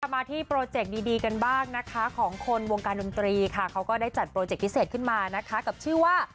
มาที่โปรเจคดีกันบ้างนะคะของคนวงการดนตรีค่ะเขาก็ได้จัดโปรเจคพิเศษขึ้นมานะคะกับชื่อว่า